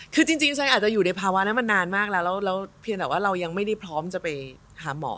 คือจริงฉันอาจจะอยู่ในภาวะนั้นมานานมากแล้วแล้วเพียงแต่ว่าเรายังไม่ได้พร้อมจะไปหาหมอ